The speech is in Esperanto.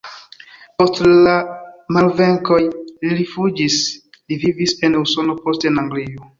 Post la malvenkoj li rifuĝis, li vivis en Usono, poste en Anglio.